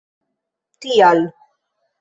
tial